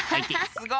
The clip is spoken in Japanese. すごい！